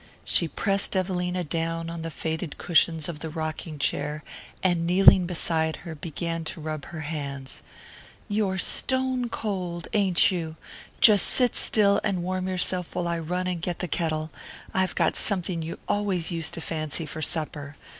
She pressed Evelina down on the faded cushions of the rocking chair, and, kneeling beside her, began to rub her hands. "You're stone cold, ain't you? Just sit still and warm yourself while I run and get the kettle. I've got something you always used to fancy for supper."